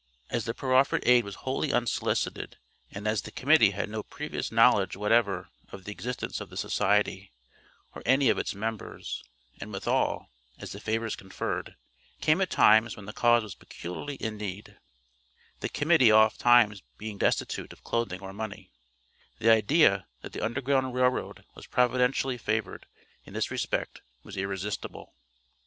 As the proffered aid was wholly unsolicited, and as the Committee had no previous knowledge whatever of the existence of the society, or any of its members, and withal, as the favors conferred, came at times when the cause was peculiarly in need (the Committee oft times being destitute of clothing or money), the idea that the Underground Rail Road was providentially favored, in this respect, was irresistible.